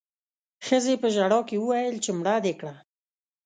ښځې په ژړا کې وويل چې مړه دې کړه